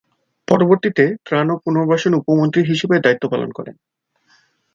পরবর্তীতে ত্রাণ ও পুনর্বাসন উপমন্ত্রী হিসেবে দায়িত্ব পালন করেন।